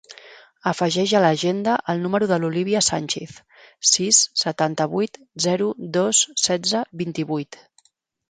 Afegeix a l'agenda el número de l'Olívia Sanchiz: sis, setanta-vuit, zero, dos, setze, vint-i-vuit.